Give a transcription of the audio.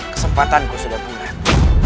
kesempatanku sudah pulang